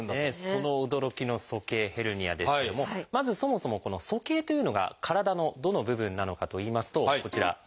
その驚きの鼠径ヘルニアですけどもまずそもそもこの「鼠径」というのが体のどの部分なのかといいますとこちら。